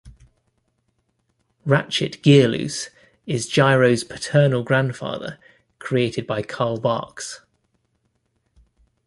Ratchet Gearloose is Gyro's paternal grandfather, created by Carl Barks.